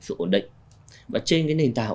sự ổn định và trên cái nền tạo